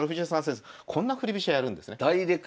こんな振り飛車やるんですね。